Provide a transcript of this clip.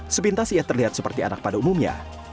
sepintas ia terlihat seperti anak pada umumnya